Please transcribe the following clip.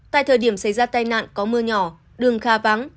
tại thời điểm xảy ra tai nạn có mưa nhỏ đường kha vắng